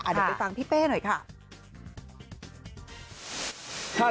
เดี๋ยวไปฟังพี่เป้หน่อยค่ะ